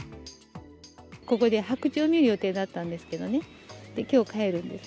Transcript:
ここで白鳥を見る予定だったんですけどね、きょう帰るんです。